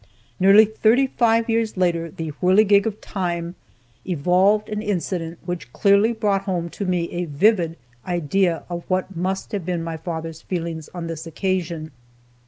Nearly thirty five years later the "whirligig of time" evolved an incident which clearly brought home to me a vivid idea of what must have been my father's feelings on this occasion.